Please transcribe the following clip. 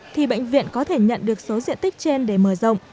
thì bệnh viện có thể nhận được số diện tích trên để mở rộng